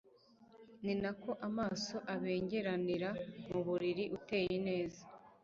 ni na ko amaso abengeranira ku mubiri uteye neza